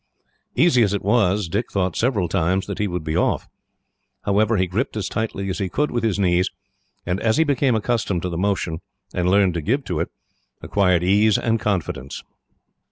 Easy as it was, Dick thought several times that he would be off. However, he gripped as tightly as he could with his knees, and as he became accustomed to the motion, and learned to give to it, acquired ease and confidence.